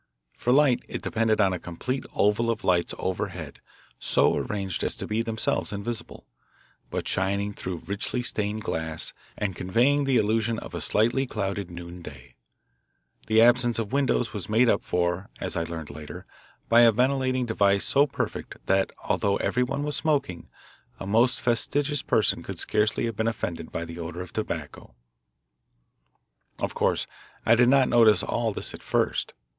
For light it depended on a complete oval of lights overhead so arranged as to be themselves invisible, but shining through richly stained glass and conveying the illusion of a slightly clouded noonday. The absence of windows was made up for, as I learned later, by a ventilating device so perfect that, although everyone was smoking, a most fastidious person could scarcely have been offended by the odour of tobacco. Of course I did not notice all this at first.